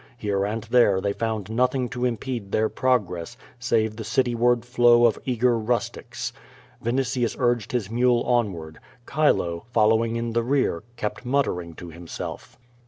Here and there they found nothing to impede their progress, save the cityward fiow of eager rustics. Vinitius urged his mule onward. Chilo, fol lowing in the rear^ kept muttering to himself.